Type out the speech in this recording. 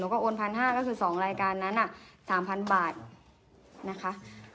หนูก็โอนพันห้าก็คือสองรายการนั้นน่ะสามพันบาทนะคะ